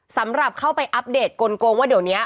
สำหรับเข้าไปอัปเดตกลงว่าเดี๋ยวนี้